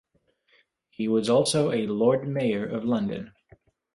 He was also a Lord Mayor of London.